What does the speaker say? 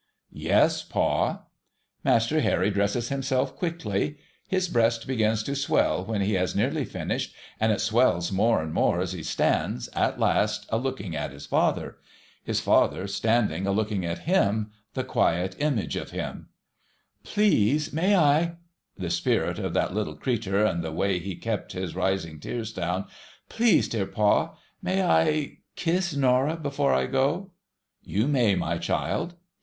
' Yes, pa.' Master Harry dresses himself quickly. His breast begins to swell when he has nearly finished, and it swells more and more as he stands, at last, a looking at his father : his father standing a looking at him, the quiet image of him, ' Please may I '— the spirit of that little creatur, and the way he kept his rising tears down !—' please, dear pa — may I— kiss Norah before I go ?'' You may, my child.'